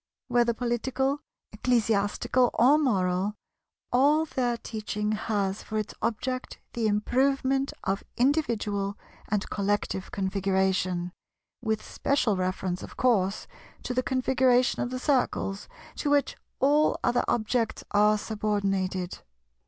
Whether political, ecclesiastical, or moral, all their teaching has for its object the improvement of individual and collective Configuration—with special reference of course to the Configuration of the Circles, to which all other objects are subordinated.